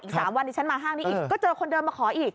๓วันนี้ฉันมาห้างนี้อีกก็เจอคนเดิมมาขออีก